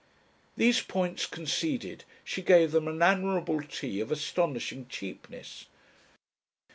These points conceded she gave them an admirable tea of astonishing cheapness.